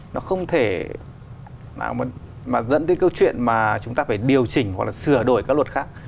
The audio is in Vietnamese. nó không thể mà dẫn đến câu chuyện mà chúng ta phải điều chỉnh hoặc là sửa đổi các luật khác